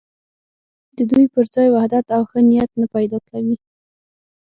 د دوی پر ځای وحدت او ښه نیت نه پیدا کوي.